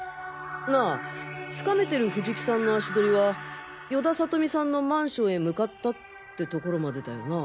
なあ掴めてる藤木さんの足取りは与田理美さんのマンションへ向かったってところまでだよな？